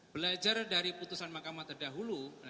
belajar dari putusan mahkamah terdahulu